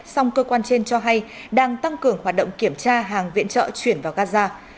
song cơ quan trên cho hay đang tăng cường hoạt động kiểm tra hàng viện trợ chuyển vào gaza